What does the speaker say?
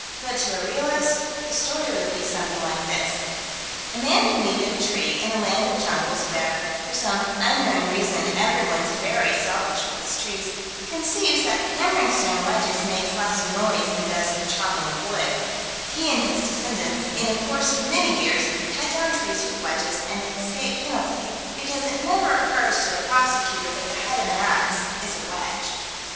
But to a realist, the story would be something like this: A man who needed a tree, in a land of jungles, where, for some unknown reason, everyone's very selfish with his trees, conceives that hammering stone wedges makes less noise than does the chopping of wood: he and his descendants, in a course of many years, cut down trees with wedges, and escape penalty, because it never occurs to a prosecutor that the head of an ax is a wedge.